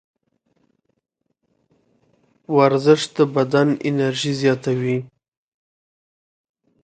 ورزش د بدن انرژي زیاتوي.